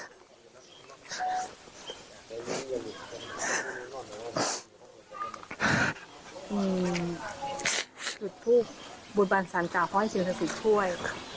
จุดทูปบุญบัญสรรค์จากพ่อเชียวสักทีช่วย